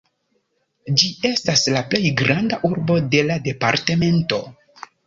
Ĝi estas la plej granda urbo de la departemento.